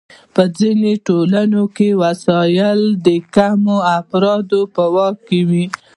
په ځینو ټولنو کې وسایل د کمو افرادو په واک کې وي.